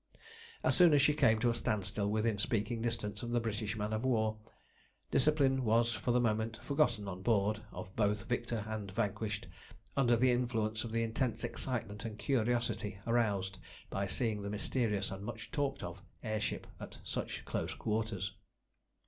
As soon as she came to a standstill within speaking distance of the British man of war, discipline was for the moment forgotten on board of both victor and vanquished, under the influence of the intense excitement and curiosity aroused by seeing the mysterious and much talked of air ship at such close quarters.